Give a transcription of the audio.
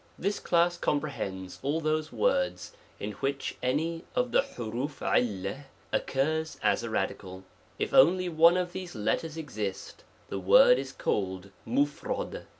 This class comprehends all those words in which 3 ^ ^9 9 any of the vSAc c_J 3 ^ occurs as a radical ; if only "* one of these letters exist, the word is called ^i* * o